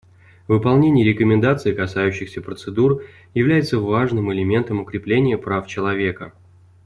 Выполнение рекомендаций, касающихся процедур, является важным элементом укрепления прав человека.